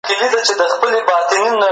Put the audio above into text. زوړ فکر نور کار نه ورکوي.